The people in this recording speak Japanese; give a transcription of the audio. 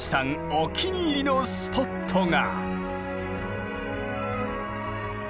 お気に入りのスポットが。